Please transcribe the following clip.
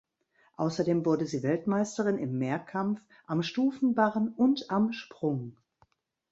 Außerdem wurde sie Weltmeisterin im Mehrkampf, am Stufenbarren und am Sprung.